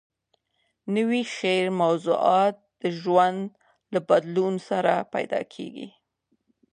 نوي شعري موضوعات د ژوند له بدلون سره پیدا کېږي.